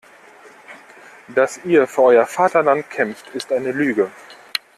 Dass ihr für euer Vaterland kämpft, ist eine Lüge.